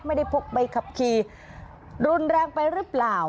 พกใบขับขี่รุนแรงไปหรือเปล่า